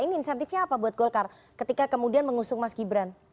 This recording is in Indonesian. ini insentifnya apa buat golkar ketika kemudian mengusung mas gibran